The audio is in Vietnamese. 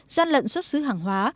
gian lận xuất xứ hàng hóa